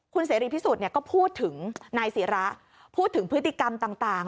คุณเสรีพิสุทธิ์ก็พูดถึงนายศิระพูดถึงพฤติกรรมต่าง